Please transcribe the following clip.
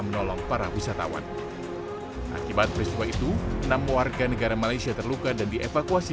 menolong para wisatawan akibat peristiwa itu enam warga negara malaysia terluka dan dievakuasi